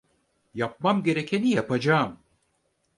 Yapmam gerekeni yapacağım.